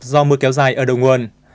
do mưa kéo dài ở đầu nguồn